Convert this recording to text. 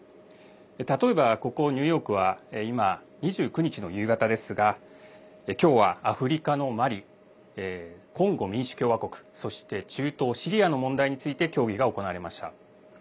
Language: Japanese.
例えば、ここニューヨークは今、２９日の夕方ですがきょうはアフリカのマリコンゴ民主共和国そして中東シリアの問題について協議が行われました。